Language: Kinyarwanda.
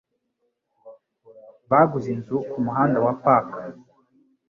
Baguze inzu kumuhanda wa Park.